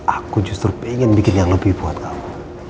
aku justru ingin bikin yang lebih buat kamu